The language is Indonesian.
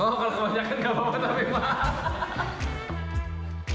oh kalau kebanyakan tidak apa apa tapi mahal